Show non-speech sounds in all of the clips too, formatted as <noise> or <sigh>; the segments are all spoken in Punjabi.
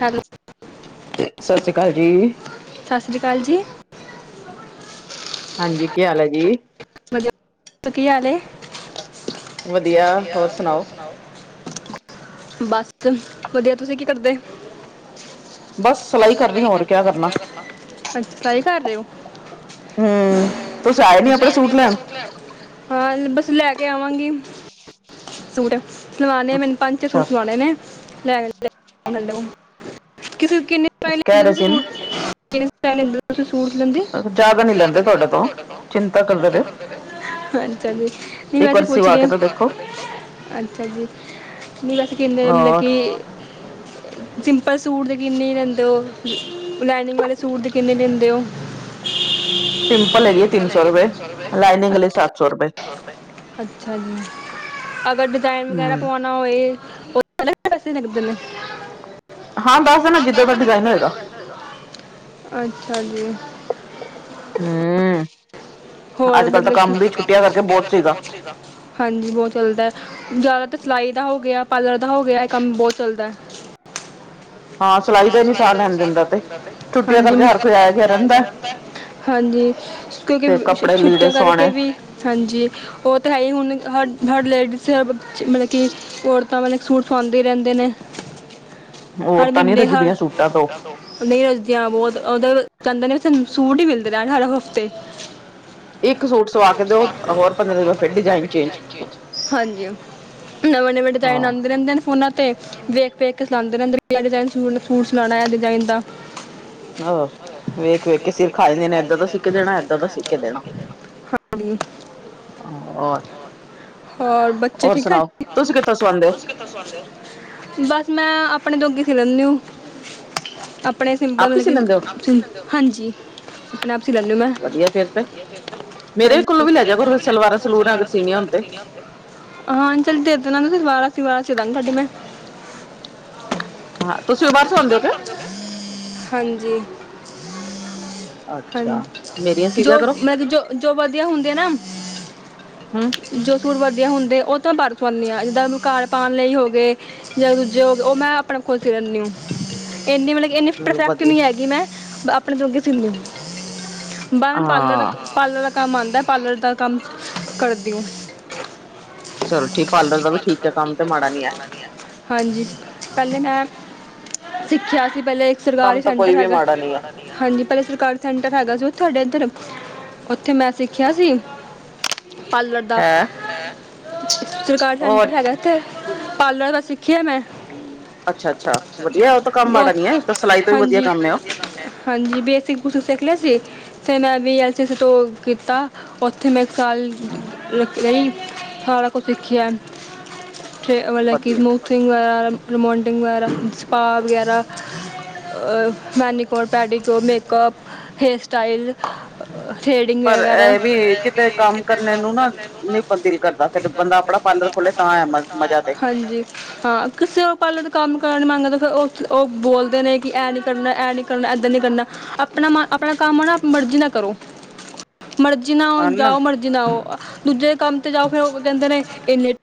ਹੈਲੋ ਤੇ ਸਤਿ ਸ੍ਰੀ ਅਕਾਲ ਜੀ ਸਤਿ ਸ਼੍ਰੀ ਅਕਾਲ ਜੀ ਹਾਂਜੀ ਕੀ ਹਾਲ ਹੈ ਜੀ ਤੂ ਕੀ ਹਾਲ ਹੈ ਵਧੀਆ ਵਧੀਆ ਹੋਰ ਸੁਣਾਓ ਤੁਸੀਂ ਬਸ ਵਧੀਆ ਤੁਸੀਂ ਕੀ ਕਰਦੇ ਬਸ ਸਿਲਾਈ ਕਰ ਰਹੀ ਹੋਰ ਕਿਆ ਕਰਨਾ ਅੱਛਾ ਸਿਲਾਈ ਕਰ ਰਹੇ ਹੋ ਹੂੰ ਤੁਂਸੀ ਆਏ ਨੀ ਆਪਣਾ ਸੂਟ ਲੈਣ ਹਾਂ ਬਸ ਲੈ ਕੇ ਆਵਾਂਗੀ ਸੂਟ ਸਿਲਵਾਣੇ ਮੈਨੂੰ ਪੰਜ ਛੇ ਅੱਛਾ ਸੂਟ ਸਵਾਣੇ ਨੇ ਲੈ ਗੱਲ ਕਰੋ ਕਿੰਨਾ ਪ੍ਰਾਈਜ ਕਹਿ ਰਹੇ ਲੈਂਦੇ ਤੁਸੀਂ ਸੀ ਸੂਟ ਨਾ ਦਾ ਕਿੰਨੇ ਪੈਸੇ ਲੈਂਦੇ ਹੋ ਤੁਸੀਂ ਸੂਟ ਤੇ ਸਿੱਲਣ ਦੇ ਜ਼ਿਆਦਾ ਨੀ ਜਿਆਦਾ ਨਹੀਂ ਲੈਂਦੇ ਤੁਹਾਡੇ ਤੋਂ ਕਰਦੇ ਪਏ ਚਿੰਤਾ ਨਾ ਹੋ ਕਰੋ ਅੱਛਾ ਜੀ ਨਈ ਮੈਂ ਤੇ ਵੈਸੇ ਪੁੱਛ ਰਹੀ ਹਾਂ ਸਵਾ ਕੇ ਤਾਂ ਦੇਖੋ ਅੱਛਾ ਜੀ ਨੀ ਵੈਸੇ ਕਿੰਨੇ ਮਤਲਬ ਔਰ ਕਿ ਸਿੰਪਲ ਸੂਟ ਦੇ ਕਿੰਨੇ ਲੈਂਦੇ ਹੋ ਲਾਈਨਿੰਗ ਵਾਲੇ ਸੂਟ ਦੇ ਕਿੰਨੇ ਲੈਂਦੇ ਹੋ ਸਿੰਪਲ ਹੈਗੀ ਹੈ ਤਿੰਨ ਸੌ ਰੁਪਏ ਲਾਈਨਿੰਗ ਵਾਲੇ ਸੱਤ ਸੌ ਰੁਪਏ ਅੱਛਾ ਜੀ ਅਗਰ ਡਿਜਾਇਨ ਵਗੈਰਾ ਪਵਾਉਣਾ ਹੂੰ ਪਵਾਣਾ ਹੋਏ ਉਹਦੇ ਅਲੱਗ ਪੈਸੇ ਲੱਗਦੇ ਨੇ ਹਾਂ ਦੱਸ ਦੇਣਾ ਜਿੱਦਾਂ ਦਾ ਡਿਜ਼ਾਇਨ ਹੈਗਾ ਅੱਛਾ ਜੀ ਹੂੰ ਹੋਰ ਅੱਜ ਕੱਲ ਤਾਂ ਮਤਲਬ ਕੀ ਕੰਮ ਵੀ ਅੱਜ ਛੁੱਟੀਆਂ ਕੱਲ ਛੋਟੀਆਂ ਕਰਕੇ ਸੀਗਾ ਬਹੁਤ ਕੰਮ ਹੈਗਾ ਹਾਂਜੀ ਬਹੁਤ ਚੱਲਦਾ ਜ਼ਿਆਦਾਤਰ ਸਿਲਾਈ ਦਾ ਹੋ ਗਿਆ ਪਾਰਲਰ ਦਾ ਹੋ ਗਿਆ ਇਹ ਕੰਮ ਬਹੁਤ ਚੱਲਦਾ ਹਾਂ ਸਿਲਾਈ ਦਾ ਵੀ ਸਾਰਾ ਦਿਨ ਦਿੰਦਾ ਤੇ ਛੁੱਟੀਆਂ ਹਾਂਜੀ ਕਰਕੇ ਹਰ ਮੇਰਾ ਕੋਈ ਘਰ ਗਿਆ ਤੇ ਆਇਆ ਰਹਿੰਦਾ ਗਿਆ ਹਾਂਜੀ ਤੇ ਕਿਉਂਕਿ ਕੱਪੜੇ ਲੀੜੇ ਛੁੱਟੀਆਂ ਸਵਾਣੇ ਕਰਕੇ ਵੀ ਹਾਂਜੀ ਉਹ ਤਾਂ ਹੈ ਹੀ ਹੁਣ ਹਰ ਹਰ ਲੇਡੀਜ਼ ਬੱਚ ਮਤਲਬ ਕਿ ਔਰ ਤਾ ਵਾਂ ਇੱਕ ਸੂਟ ਸਵਾਉਂਦੇ ਰਹਿੰਦੇ ਨੇ ਹਰ ਔਰਤਾਂ ਨੀ ਮਹੀਨੇ ਹਰ ਰੱਜਦੀਆਂ ਸੂਟਾਂ ਤੋਂ ਨਹੀਂ ਰਜਦੀਆਂ ਬਹੁਤ ਔ ਤਾ ਕਹਿੰਦੇ ਨੇ ਸੂਟ ਹੀ ਮਿਲਦੇ ਰਹਿਣ ਹਰ ਹਫ਼ਤੇ ਇੱਕ ਸੂਟ ਸਵਾ ਕੇ ਦਿਓ ਹੋਰ ਪੰਦਰਾਂ ਦਿਨ ਫਿਰ ਡਿਜ਼ਾਇਨ ਚੇਂਜ ਹਾਂਜੀ। ਨਵੇਂ, ਨਵੇਂ ਡਿਜ਼ਾਇਨ ਹਾਂ ਆਉਂਦੇ ਰਹਿੰਦੇ ਨੇ ਫੋਨਾਂ ਤੇ ਵੇਖ, ਵੇਖ ਕੇ ਸਲਾਉਂਦੇ ਰਹਿੰਦੇ ਕਿਹੜੇ ਡਿਜ਼ਾਈਨ ਦਾ ਸੂਟ ਸਲਾਣਾ ਆ ਡਿਜ਼ਾਇਨ ਦਾ ਹੋਰ ਵੇਖ, ਵੇਖ ਕੇ ਸਿਰ ਖਾ ਜਾਦੇ ਨੇ ਏਦਾਂ ਦਾ ਸੀ ਕੇ ਦੇਣਾ ਏਦਾਂ ਦਾ ਸੀ ਕੇ ਦੇਣਾ। <unintelligible> ਹੋਰ, ਹੋਰ ਬੱਚੇ ਹੋਰ ਠੀਕ ਆ ਸੁਣਾਓ, ਤੁਸੀ ਕਿੱਥੋਂ ਸਵਾਉਦੇ ਔ? ਬਸ ਮੈਂ ਆਪਣੇ ਜੋਗੀ ਸੀ ਲੈਂਦੀ ਹੁ ਅ ਆਪਣੇ ਆਪ ਹੀ ਸਿੰਪਲ ਸੀ ਲੈਂਦੇ ਹੋ ਮਤਲਬ ਹਾਂਜੀ। ਆਪਣੇ ਆਪ ਸੀ ਲੈਂਦੀ ਹੂੰ ਮੈਂ ਵਧੀਆ ਫੇਰ ਤੇ ਮੇਰੇ ਕੋਲੋਂ ਹਾਂਜੀ ਵੀ ਲੈ ਜਾ ਕਰੋ ਫੇਰ ਸਲਵਾਰਾਂ- ਸਲਵੂਰਾਂ ਸਿਨਿਆ ਹੋਣ ਤੇ। ਹਾਂ ਚੱਲ ਦੇ ਦੇਣਾ ਸਲਵਾਰਾ-ਸਲਵਾਰਾ ਸੀਦਾ ਗੀ ਤੁਹਾਡੀ ਮੈਂ। ਹਾਂ ਤੁਸੀਂ ਵੀ ਬਾਰ ਸੁਆਉਂਦੇ ਹੋ ਕੇ। ਹਾਂਜੀ। ਅੱਛਾ ਹਾਂਜੀ ਮੇਰੀਆਂ ਸੀ ਦਿਆ ਜੋ ਕਰੋ ਮੈਂ ਜੋ, ਜੋ ਵਧੀਆ ਹੁੰਦੇ ਆ ਨਾ। ਹੂੰ। ਜੋ ਸੂਰ ਵਧੀਆ ਹੁੰਦੇ ਔ ਤਾਂ ਬਾਰ ਸੂਆਨੀ ਆ ਜਿੱਦਾਂ ਕਾਰ ਪਾਣ ਲਈ ਹੋ ਗਏ ਯਾ ਦੂਜੇ ਹੋ ਔ ਮੈਂ ਆਪਣੇ ਖੁਦ ਸੀ ਲੈਨੀ ਉ। ਇੰਨੀ ਮਲਬ ਕੀ ਏਨੀ ਚਲੋ ਪਰਫੈਕਟ ਵਧੀਆ ਨੀ ਹੈਗੀ ਮੈਂ ਆਪਣੇ ਜੋਗੀ ਸੀਲ ਬਾ ਮੇਨ ਪਾਰਲਰ ਦਾ ਹਾਂ ਪਾਰਲਰ ਦਾ ਕੰਮ ਆਂਦਾ ਪਾਰਲਰ ਦਾ ਕੰਮ ਕਰਦੀ ਆ। ਚਲੋ ਠੀ ਪਾਰਲਰ ਦਾ ਵੀ ਠੀਕ ਐ ਕੰਮ ਤੇ ਮਾੜਾ ਨੀ ਐ। ਹਾਂਜੀ, ਪੈਲੇ ਮੈਂ ਸਿੱਖਿਆ ਸੀ ਪੈਲੇ ਕੰਮ ਸਰਕਾਰੀ ਤਾਂ ਕੋਈ ਸੈਂਟਰ ਵੀ ਹੈਗਾ। ਮਾੜਾ ਨੀ ਹੈ ਹਾਂਜੀ ਪੈਲੇ ਸਰਕਾਰੀ ਸੈਂਟਰ ਹੈਗਾ ਸੀ ਤੁਹਾਡੇ ਇੱਧਰ ਉੱਥੇ ਮੈਂ ਸਿੱਖਿਆ ਸੀ। ਪਾਲਰ ਦਾ, ਹੈਂ ਸਰਕਾਰੀ ਹੋਰ ਸੈਂਟਰ ਹੈਗਾ ਇੱਥੇ ਪਾਲਰ ਦਾ ਸਿੱਖਿਆ ਮੈਂ। ਅੱਛਾ ਅੱਛਾ ਵਧੀਆ ਉਹ ਤਾਂ ਕੰਮ ਮਾੜਾ ਬਸ ਨੀ ਹੈ ਤਾਂ ਸਿਲਾਈ ਤੋਂ ਵੀ ਵਧੀਆ ਹਾਂਜੀ। ਕੰਮ ਹੈ ਉਹ ਹਾਂਜੀ ਬੇਸਿਕ ਕੁਛ ਸਿੱਖ ਲੈਆ ਸੀ। ਫੇਰ ਮੈਂ ਵੀ ਐਸੀ ਐ ਤੋਂ ਕੀਤਾ ਉੱਥੇ ਮੈਂ ਇੱਕ ਸਾਲ <unintelligible> ਸਾਰਾ ਕੁਛ ਸਿੱਖੀਆ ਤੇ ਮਤਲਬ ਕਿ ਵਧੀਆ ਥਿੰਗ ਵਗੈਰਾ, ਰਮਾਂਡਿੰਗ ਵਗੈਰਾ, ਸਪਾਅ ਵਗੈਰਾ manicure, pedicure, makeup, hair style threading ਪਰ ਵਗੈਰਾ ਇਹ ਵੀ ਕਿਤੇ ਕੰਮ ਕਰਨੇ ਨੂੰ ਨਾ ਨੀ ਦਿਲ ਕਰਦਾ ਫੇਰ ਬੰਦਾ ਅਪਣਾ ਪਾਰਲਰ ਖੋਲੇ ਤਾਂ ਆ ਮਜ਼ਾ ਤੇ। ਹਾਂਜੀ ਹਾਂ, ਕਿਸੇ ਹੋ ਪਾਲਰ ਤੇ ਕੰਮ ਕਰਨ ਨੀ ਮੰਗ ਫਿਰ ਓ-ਓ ਬੋਲਦੇ ਨੇ ਕਿ ਏ ਨੀ ਕਰਨਾ ਏ ਨੀ ਕਰਨਾ ਏਦਾਂ ਨੀ ਕਰਨਾ, ਆਪਣਾ ਮ ਆਪਣਾ ਕੰਮ ਔ ਨਾ ਮਰਜ਼ੀ ਨਾ ਕਰੋ। ਮਰਜੀ ਨਾ ਹਨ ਜਾਓ ਮਰਜ਼ੀ ਨਾ ਆਓ ਦੂਜੇ ਦੇ ਕੰਮ ਤੇ ਜਾਓ ਫੇਰ ਉਹ ਕੇੰਦੇ ਨੇ ਏੰਨੇ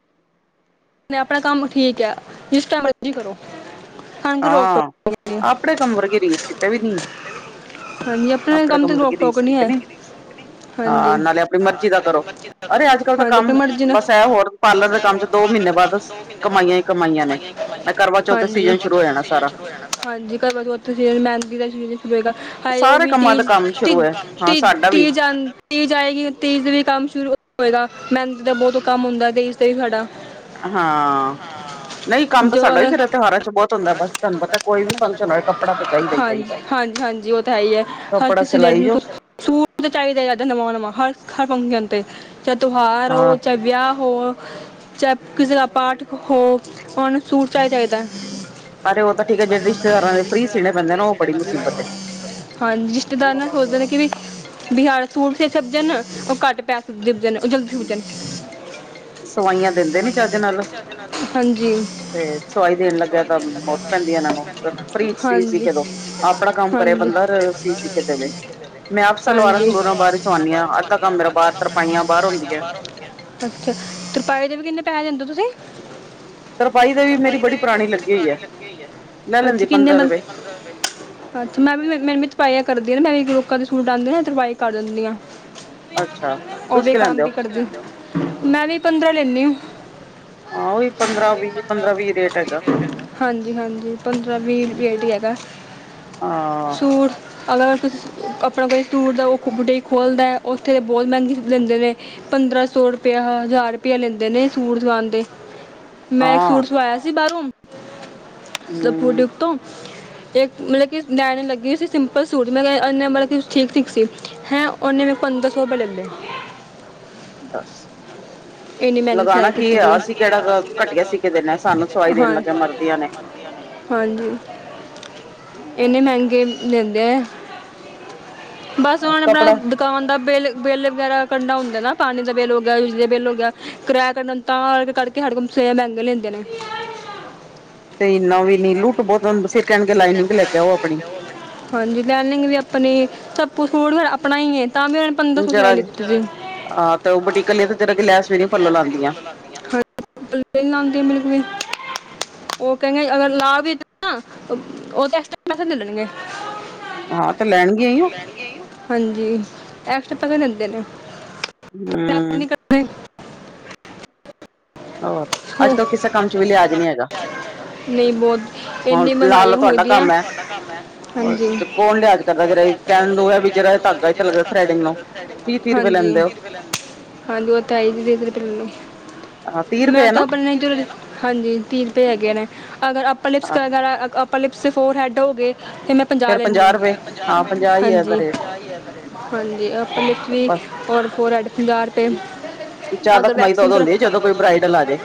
ਆਪਣਾ ਕੰਮ ਠੀਕ ਐ, ਜਿਸ ਟੈਮ ਜੀ ਕਰੋ। ਹਾਂ ਨਹੀਂ ਅਪਣੇ ਕੰਮ ਵਰਗੀ ਰੀਸ ਕੀਤੇ ਵੀ ਨੀ। ਹਾਂਜੀ ਆਪਣੇ ਅਪਣੇ ਤੇ ਕੰਮ ਵਰਗੀ ਰੋਕ ਟੋਕ ਰੀਸ ਨਹੀਂ ਕੀਤੇ ਹੈ ਨੀ ਹਾਂ ਹਾਂਜੀ ਨਾਲੇ ਆਪਣੀ ਮਰਜ਼ੀ ਦਾ ਕਰੋ। ਅਰੇ ਅੱਜ ਕੱਲ ਤਾਂ ਹਾਂਜੀ ਕੰਮ ਆਪਣੀ ਮਰਜ਼ੀ ਨਾਲ ਬਸ ਐ ਹੋਰ ਪਾਰਲਰ ਦੇ ਕੰਮ ਚ ਦੋ ਮੀਨੇ ਬਾਦ ਕਮਾਈਆਂ ਈ ਕਮਾਈਆਂ ਨੇ। ਐ ਕਰਵਾਚੌਥ ਹਾਂਜੀ ਸੀਜਨ ਸ਼ੁਰੂ ਹੋ ਜਾਣਾ ਸਾਰਾ। ਹਾਂਜੀ ਕਰਵਾਚੌਥ ਤੇ ਜੇ ਮੇਂਦੀ ਦਾ <unintelligible> ਹੋਏਗਾ। ਹਾਏ ਉਹ ਸਾਰੇ ਵੀ ਤ ਕੰਮਾਂ ਦਾ ਕੰਮ ਤ ਸ਼ੁਰੂ ਹੈ ਤ ਹਾਂ ਸਾਡਾ ਵੀ ਤੀਜ ਆਂ ਤੀਜ ਆਏਗੀ ਤੀਜ ਤੇ ਵੀ ਕੰਮ ਸ਼ੁਰੂ ਹੋਏਗਾ ਮੈੰਦੀ ਦਾ ਬੋਤ ਕੰਮ ਹੁੰਦਾ ਤੀਜ ਤੇ ਵੀ ਸਾਡਾ। ਹਾਂ। ਨਈ ਕੰਮ ਤਾਂ ਜੋ ਸਾਡਾ ਵੀ ਅਗਰ ਫਿਰ ਤਿਉਹਾਰਾਂ ਚ ਬੋਤ ਹੁੰਦਾ ਬਸ ਤੁਹਾਨੂੰ ਪਤਾ ਕੋਈ ਵੀ ਫੰਕਸ਼ਨ ਹੋਵੇ ਕੱਪੜਾ ਤਾਂ ਚਾਈਦਾ ਈ ਚਾਈਦਾ। ਹਾਂਜੀ-ਹਾਂਜੀ ਉਹ ਤਾਂ ਹੈ ਹੀ ਹੈ, ਹਰ ਕਿਸੇ ਲੇ ਜੋ ਸੂਟ ਤੇ ਚਾਈਦੇ ਆ ਨਵਾ-ਨਵਾ ਹਰ-ਹਰ ਫੰਕਸ਼ਨ ਤੇ ਚਾਹੇ ਤਿਉਹਾਰ ਹੋ ਹਾਂ ਚਾਹੇ ਵਿਆਹ ਹੋ। ਚਾਏ ਕਿਸੇ ਦਾ ਪਾਠ ਹੋ, ਓਨੂੰ ਸੂਟ ਚਾਈਦਾ ਚਾਈਦਾ। ਅਤੇ ਓ ਤਾਂ ਠੀਕ ਐ, ਜੜੇ ਰਿਸ਼ਤੇਦਾਰ ਦੇ ਫ੍ਰੀ ਸੀਣੇ ਪੈਂਦੇ ਨੇ ਓ ਬੜੀ ਮੁਸੀਬਤ ਏ। ਹਾਂਜੀ, ਰਿਸ਼ਤੇਦਾਰ ਨਾ ਸੋਚਦੇ ਨੇ ਕੀ ਵੀ ਬਿਹਾਰ ਸੂਟ ਬੀ ਸਿਬਜਣ, ਓ ਘੱਟ ਪੈਸੇ ਦਿਬਜਣ, ਓ ਜਲਦੀ ਸਿਬਜਣ। ਦਿੰਦੇ ਨੀ ਸਵਾਈਆਂ ਚੱਜ ਦੇਦੇਂ ਨੀ ਨਾਲ ਚਜ ਨਾਲ, ਹਾਂਜੀ। ਤੇ ਸਵਾਈ ਦੇਣ ਲੱਗਿਆ ਸਵਾਈਆਂ ਤਾਂ ਦੇਣ ਲਗਿਆਂ ਮੌਤ ਪੈਂਦੀ ਮੋਤ ਇਹਨਾਂ ਨੂੰ ਪੈਂਦੀ ਏ ਏਨਾਂ ਨੂੰ, ਫ੍ਰੀ ਸੀ ਸੀ ਹਾਂਜੀ- ਕੇ ਦੋ ਆਪਣਾ ਕੰਮ ਕਰੇ ਹਾਂਜੀ! ਬੰਦਾ ਸੀ ਸੀ ਕੇ ਦੇਵੇ ਮੈਂ ਆਪ ਹਾਂਂਜੀ-ਮੈਂ ਸਲਵਾਰਾਂ ਵੀ ਸਲੂਰਾਂ ਸਲਵਾਰਾਂ ਬਾਹਰ ਹੀ ਸਲਵੂਰਾਂ ਸਵਾਨੀ ਆ ਬਾਰੋਂ ਅੱਧਾ ਸਵਾਨੀ ਆਂ ਕੰਮ ਮੇਰਾ ਅਧਾ ਬਾਹਰ ਤਰਪਾ ਬਾਹਰ ਤਰਪਾਈਆਂ ਹੁੰਦੀਆਂ ਬਾਹੜਰੋਂ ਕਰਾਨੀਆਂ, ਤਰਪਾਈ ਦੇ ਵੀ ਕਿੰਨੇ ਪੈਸੇ ਦੇਂਦੇ ਓ ਤੁਸੀ? ਦਾ ਵੀ ਤਰਪਾਈ ਬੜੀ ਵਾਲੀ ਪੁਰਾਣੀ ਮੇਰੀ ਬੜੀ ਲੱਗੀ ਪਰਾਣੀ ਹੈ ਲਗੀ ਹੋਈ ਏ, ਲੈ ਅੱਛਾ ਲੈਂਦੀ ਕਿੰਨੇ ਪੰਦਰਾਂ ਬੰਦੇ ਰੁਪਏ ਲੈਂਦੀ ਪੰਦਰਾਂ ਰੁਪਏ। ਅੱਛਾ ਮੈਂ ਵੀ ਮੈ ਵੀ ਤਰਪਾਈਆਂ ਕਰਦੀ ਆਂ, ਮੈਂ ਵੀ ਲੋਕਾਂ ਦੇ ਸੂਟ ਆਂਦੇ ਨੇ ਤਰਪਾਈ ਕਰ ਦਿੰਨੀ ਆਂ। ਅੱਛਾ ਓ ਤੁਸੀਂ ਵੀ ਕੀ ਕੰਮ ਲੈਂਦੇ ਵੀ ਹੋ ਕਰਦੀ, ਮੈਂ ਵੀ ਪੰਦਰਾਂ ਲੈਂਣੀ। ਆ ਓਹੀ ਪੰਦਰਾਂ ਵੀਅ -ਪੰਦਰਾਂ ਵੀਅ ਰੇਟ ਹੈਗਾ। ਹਾਂਜੀ- ਹਾਂਜੀ ਪੰਦਰਾਂ ਵੀਅ ਰੁਪ ਰੇਟ ਈ ਹੈਗਾ। ਹਾਂ ਸੂਟ ਅਗਰ ਤੁ ਸੀ ਆਪਣਾ ਕੋਈ ਸੂਟ ਦਾ ਓ ਬੂਟੀਕ ਖੋਲ੍ਹਦਾ, ਓਥੇ ਬੋਤ ਮੈਂਗੇ ਲੈਂਦੇ ਨੇ। ਪੰਦਰਾਂ ਸੌ ਰੁਪਇਆ, ਹਜ਼ਾਰ ਰੁਪਇਆ ਲੈਂਦੇ ਨੇ ਸੂਟ ਸਵਾਣਦੇ। ਮੈਂ ਇੱਕ ਹਾਂ ਸੂਟ ਸਵਾਇਆ ਸੀ ਬਾਰੋਂ ਬੁ ਹੂੰ ਟੀਕ ਤੋਂ ਤੇ ਮਲਬ ਕੀ ਲੈਣ ਲੱਗੀ ਸੀ। ਸਿੰਪਲ ਸੂਟ ਮੈਂ ਕਿਆ ਓਨੇ ਮਲਬ ਕੀ ਠੀਕ -ਠੀਕ ਸੀ ਹੈਂ, ਉਨੇ ਮੈਂ ਕ ਪੰਦਰਾਂ ਸੌ ਰੁਪਏ ਲਲ ਲੈ। ਦਸ। ਏਨੀ ਮੈਂਗੀ ਸਿਲਾਈ ਕੀਤੀ ਦੀ ਆ। ਹਾਂਜੀ ਆ ਅਸੀ ਕੇੜਾ ਘਟੀਆ ਸੀ ਕੇ ਦੇਣਾ ਸੀ ਕੇ ਸਾਨੂੰ ਦੇਣਾ ਸਵਾਈ ਦੇਣ ਲੱਗੇ ਮਰਦੀਆਂ ਨੇ ਹਾਂਜੀ, ਏਨੇ ਮੈਂਗੇ ਦੈਂਦੇ ਆ। ਬਸ ਹੁਣ ਕੱਪੜਾ ਆਪਾ ਕਾਨ ਦਾ ਬਿੱਲ -ਬਿੱਲ ਵਗੈਰਾ ਕੰਡਾ ਹੁੰਦਾ ਨਾ, ਪਾਣੀ ਦਾ ਬਿੱਲ ਵਗੈਰਾ ਬਿਜਲੀ ਦਾ ਬਿੱਲ। ਕਿਰਾਇਆ ਕਢਨਾ ਉੰਦਾ ਤਾਂ ਕੱਰਕੇ ਸਾਡੇ ਕੋ ਸੇ ਮੈਂਗੇ ਲੈਂਦੇ ਨੇ। ਤੇ ਏਨਾ ਵੀ ਨੀ ਲੁੱਟ ਬੋਤ ਫੇਰ ਕੈਣ ਗੇ ਕੇ ਲਾਈਨਿੰਗ ਲੈ ਕੇ ਆਓ ਆਪਣੀ। ਹਾਂਜੀ, ਲਾਇਨਿਗ ਵੀ ਆਪਣੀ, ਸਭ ਕੁਝ ਸੂਟ ਫੇਰ ਆਪਣਾ ਈ ਏ ਤਾਂ ਵੀ ਹੁ ਜਰਾ ਜੀ ਆ ਤੇ ਓ ਬਟੀਕ ਅਲੀ ਤੇ ਜਰਾ ਜੀ ਲੈਸ ਵੀ ਨੀ ਪਲਿਓ ਲਾਂਦੀਆਂ। ਹਾਂਜੀ, ਨਈ ਲਾਂਦੀਆਂ ਬਿਲਕੁਲ ਵੀ। ਓ ਕੈਂਦੇ ਅਗਰ ਲਾ ਵੀ ਦੇਣਗੇ ਨਾ ਓ ਤਾਂ ਐਕਸਟ੍ਰਾ ਪੈਸੇ ਲੈ ਲੈਣਗੇ। ਹਾਂ ਤੇ ਲੈਣਗੀਆਂ ਈ ਓ। ਹਾਂਜੀ ਐਕਸਟ੍ਰਾ ਪੈਸੇ ਲੈਂਦੇ ਨੇ। ਹੂੰਅ। ਨਈ। ਹੋਰ, ਅੱਜ ਕੱਲ ਕਿਸੇ ਕੰਮ 'ਚ ਵੀ ਲਿਆਜ਼ ਨੀ ਹੈਗਾ। ਨਈ ਬੋਤ ਹੁਣ ਏਨੀ ਮਗਾਈ ਹੋਈ ਦੀਆ। ਔਰ ਤੇ ਕੌਣ ਲਿਆਜ ਕਰਦਾ ਜਰਾ ਈ, ਕੈਣ ਨੂੰ ਐਵੀ ਜਰਾ ਜਿਆ ਧਾਗਾ ਈ ਤੇ ਲੱਗਦਾ ਥਰੈਡਿੰਗ ਨੂੰ। ਤੀਹ ਤੀਹ ਰੁਪਏ ਹਾਂਜੀ ਲੈਂਦੇ - ਹਾਂਜੀ ਓ ਤਾਂ ਆਈਬਰੋ-' ਹੋ ਤੀਹ ਮੈਂ ਰੁਪਏ ਤਾਂ ਆਪਣੇ ਨਾ ਜਦੋਂ ਹਾਂਜੀ ਤੀਹ ਰੁਪਏ ਹੈਗੇ ਨੇ, ਅਗਰ ਆਪਾਂ ਲਿਪਸ ਕਰ ਵਗੈਰਾ ਅਪਰ ਲਿਪਸ ਤੇ ਫੋਰ ਹੈੱਡ ਹੋ ਗੇ, ਏਨਾ ਫੇਰ ਮੈਂ ਪੰਜਾਅ ਲੈਨੀ, ਪੰਜਾਹ ਆ ਰੁਪਏ ਪੰਜਾਹ ਹਾਂ ਰੁਪਏ ਹੀ ਹੈ ਇਹਦਾ ਹਾਂਜੀ। ਰੇਟ ਹਾਂਜੀ ਅਪਰ ਲਿਪਸ ਵੀ ਬਸ ਔਰ ਫੋਰ ਹੈਡ ਵੀ। ਪੰਜਾਅ ਰਪਏ, ਜ਼ਿਆਦਾ ਅਗਰ ਕਮਾਈ ਤਾਂ ਵੈਕਸਿੰਨ ਉਦੋਂ ਕਰਾ ਹੁੰਦੀ ਹੈ ਜਦੋਂ ਕੋਈ ਬ੍ਰਾਈਡਲ ਆ ਜਾਏ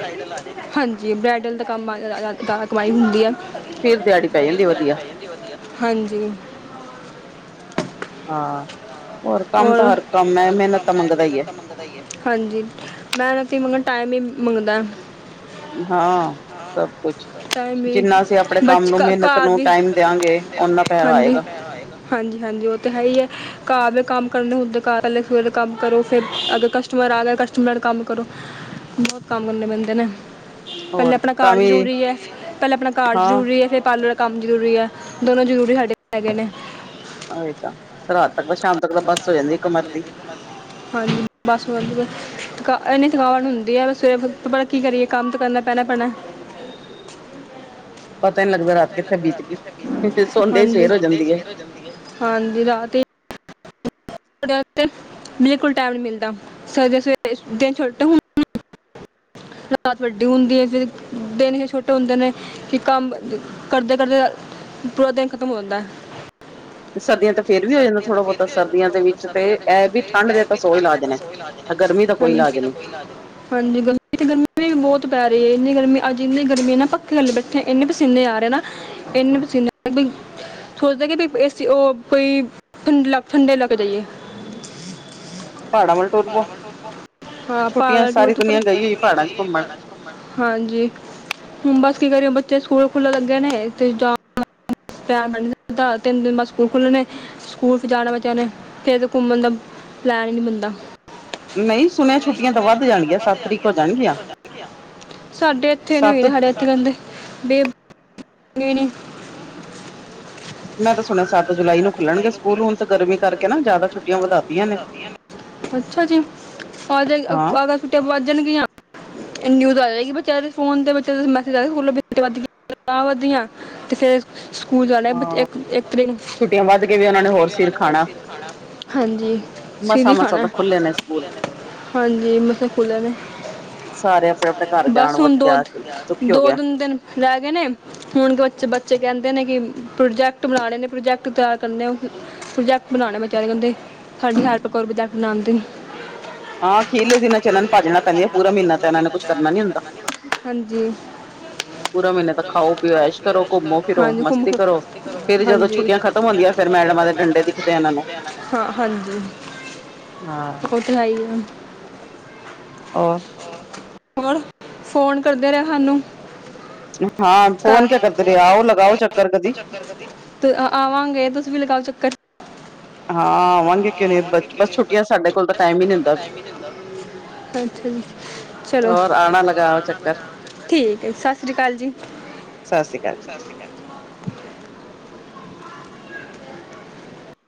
ਹਾਂਜੀ ਬ੍ਰਾਇਡਲ ਦਾ ਕੰਮ ਅਅ ਜਾਦਾ ਕਮਾਈ ਹੁੰਦੀ ਆ। ਫਿਰ ਦਿਹਾੜੀ ਪੈ ਜਾਂਦੀ ਵਧੀਆ ਹਾਂਜੀ। ਹਾਂ ਕੰਮ ਹੋਰ ਤਾਂ ਹਰ ਕੰਮ ਤਾਂ ਹੈ ਹਰ ਮਿਹਨਤ ਤਾਂ ਕੰਮ ਐ, ਮੰਗਦਾ ਹੀ ਹੈ ਮੇਨਤ ਮਗਰ ਦਾ ਈ ਏ, ਹਾਂਜੀ ਮੇਨਤ ਵੀ ਮਗਰ ਟਾਈਮ ਈ ਮੰਗਦਾ। ਹਾਂ ਸਭ ਕੁਛ ਬ ਘਰ ਵੀ ਜਿੰਨਾ ਅਸੀਂ ਆਪਣੇ ਕੰਮ ਨੂੰ ਮਿਹਨਤ ਨੂੰ ਟਾਈਮ ਦਿਆਂਗੇ ਓਨਾ ਪੈਸਾ ਹਾਂਜੀ। ਆਏਗਾ ਹਾਂਜੀ ਹਾਂਜੀ ਉਹ ਤਾਂ ਹੈ ਈ ਐ ਘਰ ਦੇ ਕੰਮ ਕਰਨੇ ਹੁੰਦੇ। ਘਰ ਪਹਲੇ ਸਵੇਰੇ ਕੰਮ ਕਰੋ, ਫਿਰ ਅੱਗਰ ਕਸਟਮਰ ਆਗੇ ਕਸਟਮਰਾਂ ਨਾਲ ਕੰਮ ਕਰੋ। ਬਹੁਤ ਕੰਮ ਕਰਨੇ ਪੈੰਦੇ ਨੇ ਪਹਿਲੇ ਹੋਰ ਆਪਨਾ ਤਾਂ ਘਰ ਵੀ ਜ਼ਰੂਰੀ ਐ ਪਹਿਲਾਂ ਆਪਨਾ ਘਰ ਹਾਂ ਜ਼ਰੂਰੀ ਐ, ਫਿਰ ਪਾਲਰ ਕੰਮ ਜ਼ਰੂਰੀ ਐ, ਦੋਨੋਂ ਜ਼ਰੂਰੀ ਸਾਡੇ ਹੈਗੇ ਨੇ ਉਹੀ ਤਾਂ ਰਾਤ ਤੱਕ ਦਾ ਸ਼ਾਮ ਤੱਕ ਤਾਂ ਬੱਸ ਹੋ ਜਾਂਦੀ ਏ ਕਮਰ ਦੀ ਹਾਂਜੀ ਬਸੱ ਵੱਦੀਆ ਏਨੀ ਥਕਾਵਟ ਹੁੰਦੀ ਹੈ, ਸਵੇਰੇ ਕੀ ਕਰੀਏ ਕੰਮ ਤੇ ਕਰਨਾ ਪੈਨਾ-ਪੈਨਾ ਪਤਾ ਨੀ ਲੱਗਦਾ ਰਾਤ ਕਿੱਥੇ ਬੀਤ ਗਈ, ਸੋੰਦੇ ਹੀ ਹਾਂਜੀ ਸਵੇਰ ਹੋ ਜਾਂਦੀ ਏ ਹਾਂਜੀ ਰਾਤ ਹੀ ਰਾਤ ਤੇ ਬਿਲਕੁਲ ਟਾਈਮ ਨੀ ਮਿਲਦਾ ਸਵੇਰ ਸਵੇਰੇ ਦਿਨ ਛੋਟੇ ਰਾਤ ਵੱਡੀ ਹੁੰਦੀ ਐ, ਫਿਰ ਦਿਨ ਹੀ ਛੋਟੇ ਹੁੰਦੇ ਨੇ ਕਿ ਕੰਮ ਕਰਦੇ-ਕਰਦੇ ਪੂਰਾ ਦਿਨ ਖਤਮ ਹੋ ਜਾਂਦਾ ਸਰਦੀਆਂ ਤੇ ਫੇਰ ਵੀ ਹੋ ਜਾਂਦਾ ਥੋੜਾ ਬਹੁਤਾ, ਸਰਦੀਆਂ ਦੇ ਵਿੱਚ ਤੇ ਇਹ ਵੀ ਠੰਢ ਦੇ ਤਾਂ ਸੋ ਇਲਾਜ ਨੇ ਗਰਮੀ ਦਾ ਕੋਈ ਹਾਂਜੀ। ਇਲਾਜ ਨਹੀਂ ਹਾਂਜੀ, ਗਰਮੀ ਤੇ ਗਰਮੀ ਬਹੁਤ ਪੈ ਰਹੀ ਇੰਨੀ ਗਰਮੀ ਅੱਜ ਇੰਨੀ ਗਰਮੀ ਹੈ ਨਾ ਪੱਖੇ ਥਲੇ ਬੈਠੇ ਆ ਏਨੇ ਪਸੀਨੇ ਆ ਰਹੇ ਨਾ ਇਨੇ ਪਸੀਨੇ ਸੋਚਦੇ ਕਿ ਬਈ ਏਸੀ ਉਹ ਕੋਈ ਠੰਡ- ਠੰਡੇ ਇਲਾਕੇ ਜਾਈਏ ਪਹਾੜਾਂ ਵੱਲ ਟੁਰ ਪੋ ਛੁੱਟੀਆਂ ਸਾਰੀ ਦੁਨੀਆਂ ਗਈ ਹੋਈ ਪਹਾੜਾਂ ਚ ਘੁੰਮਣ। <unintelligible> ਹਾਂਜੀ। ਹੁਣ ਬੱਸ ਕੀ ਕਰੀਓ ਬੱਚੇ ਸਕੂਲ ਖੁੱਲਣ ਲੱਗੇ ਨੇ ਤੇ ਜਾ ਪਿਆਰ ਮਦਾ ਤਿੰਨ ਦਿਨ ਬਾਅਦ ਸਕੂਲ ਖੁੱਲਨੇ ਸਕੂਲ ਤੇ ਜਾਨਾ ਬੱਚਿਆਂ ਨੇ ਫੇਰ ਤੇ ਘੁੰਮਣ ਦਾ ਪਲੈਣ ਹੀ ਨੀ ਬੰਦਾ <inaudible> ਨਹੀਂ ਸੁਨਿਆ ਛੁੱਟੀਆਂ ਤਾਂ ਵੱਧ ਜਾਣਗੀਆਂ ਸੱਤ ਤਰੀਕ ਹੋ ਜਾਨਗੀਆਂ ਸਾਡੇ ਇੱਥੇ ਸੱਤ <unintelligible> ਮੈਂ ਤਾਂ ਸੁਨਿਆ ਸੱਤ ਜੁਲਾਈ ਨੂੰ ਖੁੱਲਨਗੇ ਸਕੂਲ ਹੁਣ ਤਾਂ ਗਰਮੀ ਕਰਕੇ ਨਾ ਜ਼ਿਆਦਾ ਛੁੱਟੀਆਂ ਵਧਾ ਤੀਆਂ ਨੇ ਅੱਛਾ ਜੀ ਆਜ ਹਾਂ ਆਗ ਸੁੱਟੀਆਂ ਵਧ ਜਾਨਗੀਆਂ <unintelligible> ਸਕੂਲ ਜਾਣਾ ਇੱਕ ਇਕ ਤਰੀਕ ਨੂ ਛੁੱਟੀਆਂ ਵੱਧ ਕੇ ਵੀ ਉਹਨਾਂ ਨੇ ਹੋਰ ਸਿਰ ਖਾਣਾ ਹਾਂਜੀ ਸਿਰ ਮਸਾਂ ਈ ਮਸਾਂ ਖਾਣਾ, ਤਾਂ ਖੁੱਲੇ ਨੇ ਸਕੂਲ। ਹਾਂਜੀ ਮਸਾ ਖੂਲੇ ਨੇ ਸਾਰੇ ਆਪਣੇ ਆਪਣੇ ਘਰ ਜਾਣ ਬੱਸ ਹੁਣ ਵਧੀਆ ਦੁਖੀ ਹੋ ਦੋ-ਦੋ ਗਿਆ। ਤਿਨ ਦਿਨ ਰਹਿ ਗਏ ਨੇ ਹੁਣ ਕੂਛ ਬੱਚੇ ਕਹਿੰਦੇ ਨੇ, ਕਿ ਪ੍ਰੋਜੈਕਟ ਬਨਾਣੇ ਨੇ ਪ੍ਰੋਜੈਕਟ ਤਿਆਰ ਕਰਨੇ ਪ੍ਰੋਜੈਕਟ ਬਣਾਉਣੇ ਮੈ ਕਹ ਰਹੀ ਆ ਓੰਦੇ ਸਾਡੀ ਹੈਲਪ ਕਰੋ ਪ੍ਰੋਜੈਕਟ ਬਣਾੰਦੇ ਹਾਂ ਖੀਰਲੇ ਦਿਨਾਂ ਚ ਇਹਨਾਂ ਨੂੰ ਭਾਜੜਾ ਪੈਂਦੀ ਹੈ ਪੂਰਾ ਮਹੀਨਾ ਤੇ ਇਹਨਾਂ ਨੇ ਕੁਛ ਕਰਨਾ ਨੀ ਹੁੰਦਾ ਹਾਂਜੀ। <inaudible> ਪੂਰਾ ਮਹੀਨਾ ਤਾਂ ਖਾਓ ਪੀਓ। ਐਸ਼ ਕਰੋ ਘੁੰਮੋ ਫਿਰੋ ਹਾਂਜੀ ਘੁੰਮ ਮਸਤੀ ਫਿਰ ਕਰੋ ਫੇਰ ਜਦੋਂ ਹਾਂਜੀ ਛੁੱਟੀਆ ਖਤਮ ਹੁੰਦੀਆਂ ਫੇਰ ਮੈਡਮਾਂ ਦੇ ਡੰਡੇ ਦਿਖਦੇ ਇਹਨਾਂ ਨੂੰ ਹਾਂ ਹਾਂਜੀ ਹਾਂ ਓਹ ਤੇ ਹੈ ਈ ਏ ਔਰ ਹੋਰ ਫੋਨ ਕਰਦੇ ਰਹੇ ਹਾਨੂੰ ਹਾਂ ਫੋਨ ਕਿਆ ਕਰਦੇ ਨੇ ਆਓ ਲਗਾਓ ਚੱਕਰ ਕਦੀ। ਤੇ ਆਵਾਂਗੇ ਤੁਸੀ ਵੀ ਲਗਾਓ ਚੱਕਰ। ਹਾਂ ਆਵਾਂਗੇ ਕਿਵੇਂ ਬ ਬੱਸ ਛੁੱਟੀਆਂ ਚ ਸਾਡੇ ਕੋਲ ਤਾਂ ਟਾਈਮ ਈ ਨੀ ਹੁੰਦਾ। ਅੱਛਾ ਜੀ ਚਲੋ ਹੋਰ ਆਨਾ ਲਗਾਓ ਚੱਕਰ। ਠੀਕ ਹੈ ਸਤਿ ਸ੍ਰੀ ਅਕਾਲ ਜੀ ਸਸਰੀ ਕਾਲ ਜੀ।